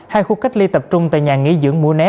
hai khu cách ly tập trung tại nhà nghỉ dưỡng mũ né